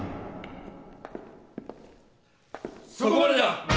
そこまでだ！